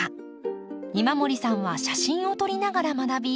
今森さんは写真を撮りながら学び